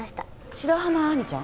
白浜杏里ちゃん？